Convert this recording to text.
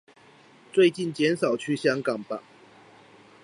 最近減少去香港吧！